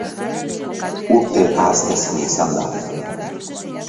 Urte ahaztezina izan da.